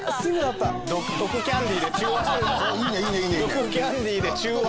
ドクキャンディで中和？